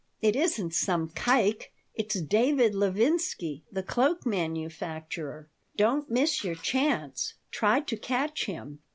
It isn't some kike. It's David Levinsky, the cloak manufacturer. Don't miss your chance. Try to catch him."